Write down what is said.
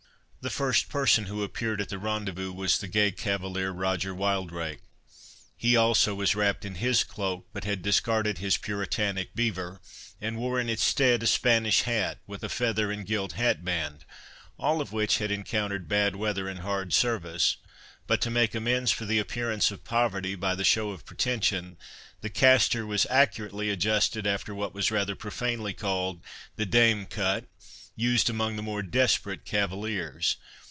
The first person who appeared at the rendezvous was the gay cavalier Roger Wildrake. He also was wrapped in his cloak, but had discarded his puritanic beaver, and wore in its stead a Spanish hat, with a feather and gilt hatband, all of which had encountered bad weather and hard service; but to make amends for the appearance of poverty by the show of pretension, the castor was accurately adjusted after what was rather profanely called the d—me cut, used among the more desperate cavaliers.